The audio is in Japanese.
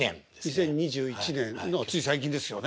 ２０２１年のつい最近ですよね。